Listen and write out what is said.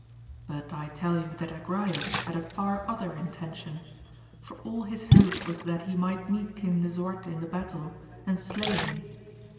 But I tell you that Agrayes had a far other intention, for all his hope was that he might meet King Lisuarte in the battle, and slay him.